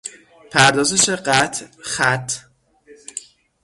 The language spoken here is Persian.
پردازش قطع - خط